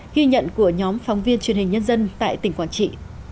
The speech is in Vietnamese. ghi nhận của nhóm phóng viên truyền hình nhân dân tại tỉnh quảng trị